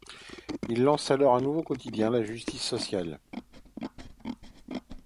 Il lance alors un nouveau quotidien, La justice sociale.